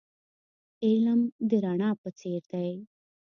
علم د رڼا په څیر دی .